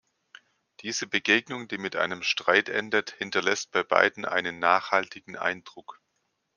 Diese Begegnung, die mit einem Streit endet, hinterlässt bei beiden einen nachhaltigen Eindruck.